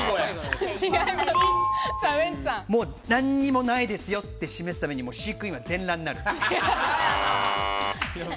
もう何にもないですよって示すために飼育員は全裸になる。